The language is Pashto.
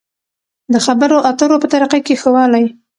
د خبرو اترو په طريقه کې ښه والی.